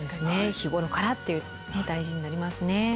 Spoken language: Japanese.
日頃からっていうの大事になりますね。